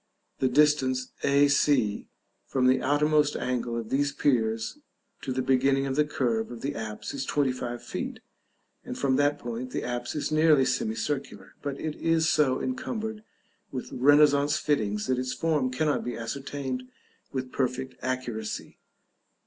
The distance a c from the outmost angle of these piers to the beginning of the curve of the apse is 25 feet, and from that point the apse is nearly semicircular, but it is so encumbered with renaissance fittings that its form cannot be ascertained with perfect accuracy.